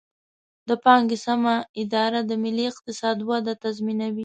د پانګې سمه اداره د ملي اقتصاد وده تضمینوي.